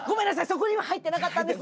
そこには入ってなかったんです。